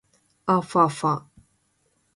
あふぁふぁ